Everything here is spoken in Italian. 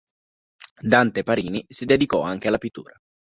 Dante Parini si dedicò anche alla pittura.